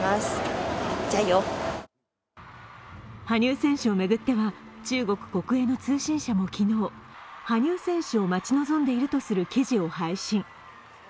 羽生選手を巡っては、中国国営の通信社も昨日、羽生選手を待ち望んでいるとする記事を配信。